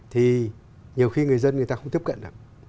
thì nhiều khi người dân người ta không tiếp cận được